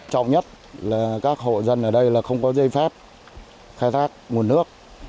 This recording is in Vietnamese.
trọng nhất là các hộ dân ở đây là không có dây phép khai thác nguồn nước